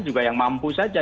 juga yang mampu saja